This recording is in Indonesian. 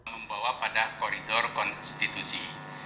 membawa pada koridor konstitusi